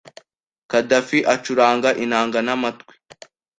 Khadafi acuranga inanga n'amatwi.